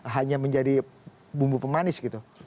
hanya menjadi bumbu pemanis gitu